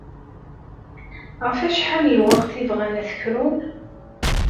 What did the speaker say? Ɣef acḥal n lweqt i bɣan ad t-krun?